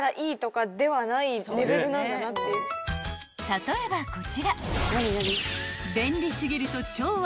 ［例えばこちら］